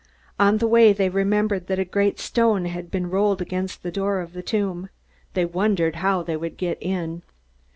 On the way they remembered that a great stone had been rolled against the door of the tomb. They wondered how they would get in.